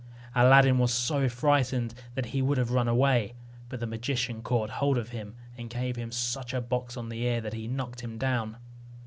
Aladdin was so frightened that he would have run away, but the magician caught hold of him, and gave him such a box on the ear that he knocked him down.